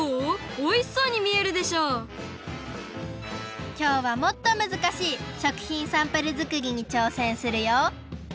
おいしそうにみえるでしょきょうはもっとむずかしい食品サンプルづくりにちょうせんするよ